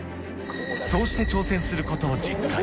そうして挑戦すること１０回。